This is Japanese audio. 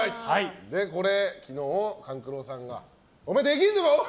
これ昨日、勘九郎さんがお前できるのかおい！